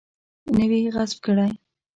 نه وي غصب کړی.